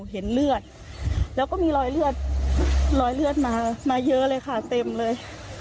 เห็นเลือดแล้วก็มีรอยเลือดมาเยอะเลยค่ะเต็มเลย